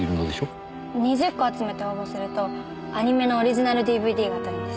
２０個集めて応募するとアニメのオリジナルＤＶＤが当たるんです。